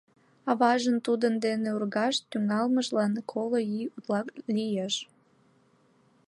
Аважын тудын дене ургаш тӱҥалмыжлан коло ий утла лиеш.